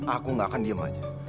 aku gak akan diem aja